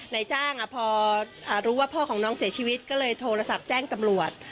นายจ้างพอรู้ว่าพ่อของน้องเสียชีวิตก็เลยโทรศัพท์แจ้งตำรวจ